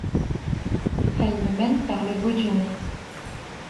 Elle le mène par le bout du nez.